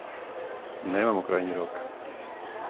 Немамо крајњи рок.